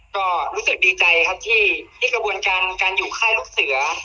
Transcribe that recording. ก็รู้สึกดีใจครับที่กระบวนการการอยู่ค่ายลูกเสือ